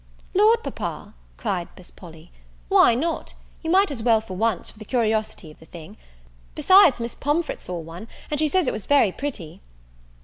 "Lord, papa," cried Miss Polly, "why not? you might as well for once, for the curiosity of the thing: besides, Miss Pomfret saw one, and she says it was very pretty."